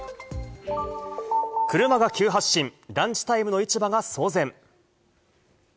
車が急発進、ランチタイムの市場が騒然。